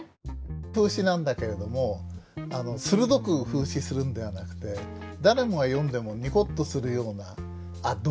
風刺なんだけれども鋭く風刺するんではなくて誰もが読んでもニコッとするような「あっ同感ね」っていうこの同感ね。